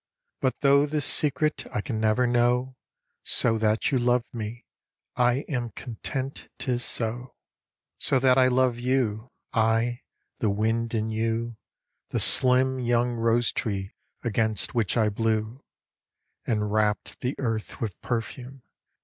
But though this secret I can never know, So that you love me, I am content 'tis so, So that I love you, I, the wind, and you, The slim young rose tree against which I blew, And rapt the earth with perfume.